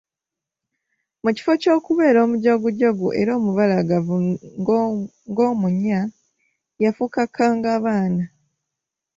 Mu kifo ky'okubeera omujagujagu era omubalagavu ng'omunya, yafuuka kkangabaana!